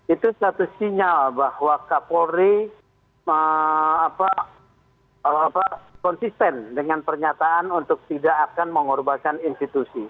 itu satu sinyal bahwa kapolri konsisten dengan pernyataan untuk tidak akan mengorbankan institusi